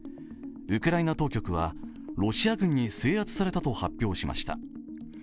ウクライナ当局はロシア軍に制圧されたと発表しました。